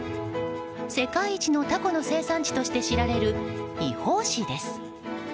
世界一のたこの生産地として知られるイホウ市です。